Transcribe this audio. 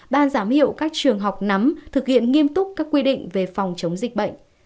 ban giám hiệu các trường học nắm thực hiện nghiêm túc các quy định về phòng chống dịch bệnh